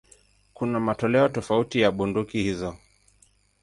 Kuna matoleo tofauti ya bunduki hizo.